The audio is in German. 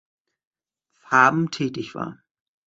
Farben tätig war.